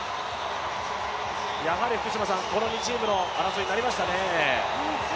やはりこの２チームの争いになりましたね。